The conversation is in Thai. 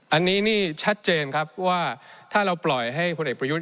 อันนี้นี่ชัดเจนครับว่าถ้าเราปล่อยให้พลเอกประยุทธ์